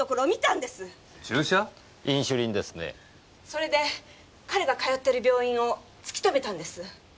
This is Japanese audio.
それで彼が通ってる病院を突き止めたんです。